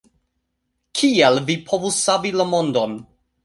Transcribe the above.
Kiel vi povus savi la mondon?